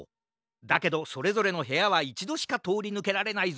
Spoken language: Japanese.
だけどそれぞれのへやはいちどしかとおりぬけられない